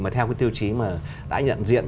theo cái tiêu chí mà đã nhận diện